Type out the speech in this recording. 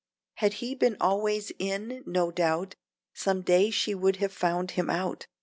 Had he been always in, no doubt, Some day she would have found him out.